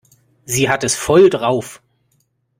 Sie hat es voll drauf.